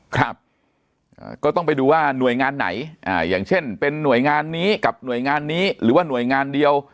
ครับก็ต้องไปดูว่าหน่วยงานไหนอย่างเช่นเป็นหน่วยงานนี้กับหน่วยงานนี้หรือว่าหน่วยงานเดียว